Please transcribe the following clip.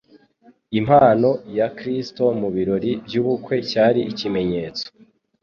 Impano ya Kristo mu birori by’ubukwe cyari ikimenyetso.